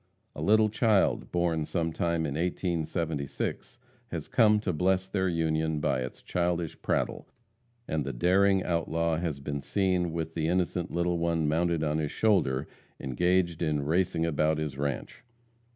A little child, born sometime in 1876, has come to bless their union by its childish prattle, and the daring outlaw has been seen with the innocent little one mounted on his shoulder engaged in racing about his ranche.